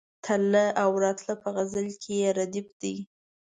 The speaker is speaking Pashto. تله او راتله په غزل کې ردیف دی.